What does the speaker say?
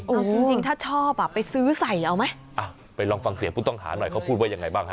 เอาจริงจริงถ้าชอบอ่ะไปซื้อใส่เอาไหมอ่ะไปลองฟังเสียงผู้ต้องหาหน่อยเขาพูดว่ายังไงบ้างฮะ